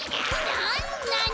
なんなの？